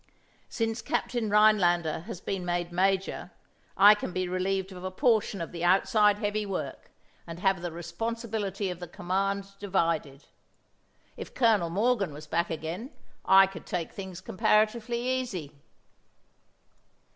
Since Captain Rheinlander has been made major, I can be relieved of a portion of the outside heavy work, and have the responsibility of the command divided. If Colonel Morgan was back again, I could take things comparatively easy."